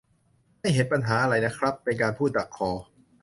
ไม่เห็นปัญหาอะไรนะครับ เป็นการพูดดักคอ